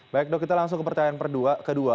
baik dok kita langsung ke pertanyaan kedua